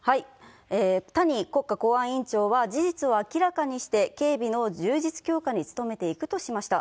谷国家公安委員長は、事実を明らかにして、警備の充実強化に努めていくとしました。